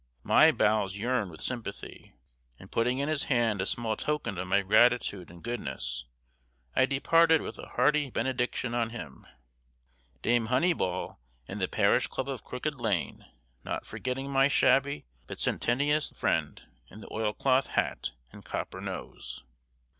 My bowels yearned with sympathy, and putting in his hand a small token of my gratitude and goodness, I departed with a hearty benediction on him, Dame Honeyball, and the parish club of Crooked Lane not forgetting my shabby, but sententious friend, in the oil cloth hat and copper nose.